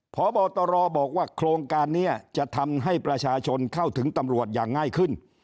พบตรบอกว่าโครงการนี้จะทำให้ประชาชนเข้าถึงตำรวจอย่างง่ายขึ้น